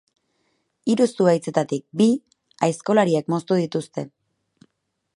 Hiru zuhaitzetatik bi aizkolariek moztu dituzte.